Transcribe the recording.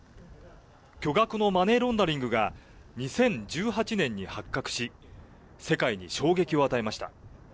巨額のマネーロンダリングが２０１８年に発覚し、世界に衝撃を与えました。